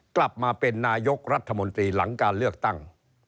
กลับมาเป็นนายกรัฐมนตรีหลังการเลือกตั้ง